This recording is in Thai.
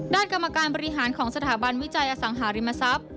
กรรมการบริหารของสถาบันวิจัยอสังหาริมทรัพย์